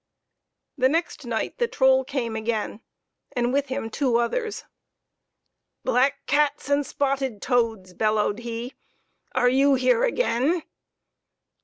The next night the troll came again, and with him two others. " Black cats and spotted toads !" bellowed he, " are you here again